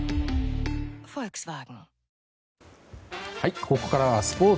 ここからはスポーツ。